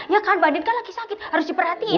ya kan mba andien kan lagi sakit harus diperhatiin